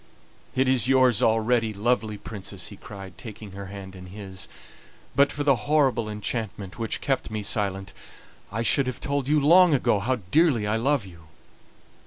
"It is yours already, lovely Princess!" he cried, taking her hand in his; "but for the horrible enchantment which kept me silent I should have told you long ago how dearly I love you."